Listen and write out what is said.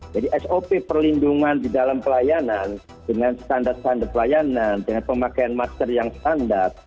jadi sop perlindungan di dalam pelayanan dengan standar standar pelayanan dengan pemakaian masker yang standar